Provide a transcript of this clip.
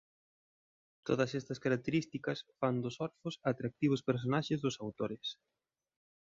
Todas estas características fan dos orfos atractivos personaxes dos autores.